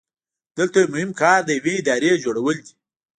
دلته یو مهم کار د یوې ادارې جوړول دي.